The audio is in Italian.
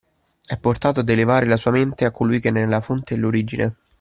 È portato ad elevare la sua mente a colui che ne è la fonte e l'origine;